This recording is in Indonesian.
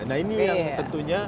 nah ini yang tentunya